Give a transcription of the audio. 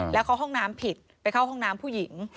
แล้วเข้าห้องน้ำผิดไปเข้าห้องน้ำผู้หญิง